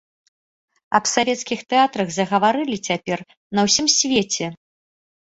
Аб савецкіх тэатрах загаварылі цяпер на ўсім свеце.